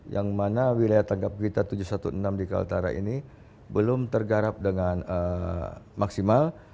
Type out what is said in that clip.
yang mana wilayah tanggap kita tujuh ratus enam belas di kaltara ini belum tergarap dengan maksimal